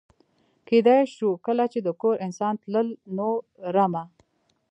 کېدای شو کله چې د کور انسان تلل، نو رمه.